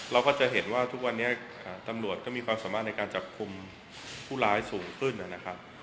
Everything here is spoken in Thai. เราก็จะเห็นว่าทุกวันนี้ตำรวจก็มีความสามารถในการจับกลุ่มผู้ร้ายสูงขึ้นนะครับ